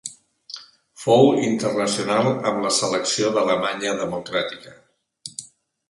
Fou internacional amb la selecció d'Alemanya Democràtica.